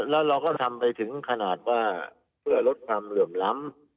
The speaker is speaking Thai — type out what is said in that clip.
แล้วเราก็ทำไปถึงขนาดว่าเพื่อลดความเหลื่อมล้ำ